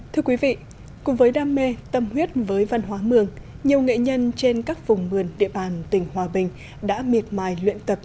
thưa quý vị cùng với đam mê tâm huyết với văn hóa mường nhiều nghệ nhân trên các vùng miền địa bàn tỉnh hòa bình đã miệt mài luyện tập